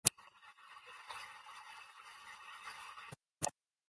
He narrowly defeated incumbent Republican Governor Joseph W. Fifer.